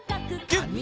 ギュッ！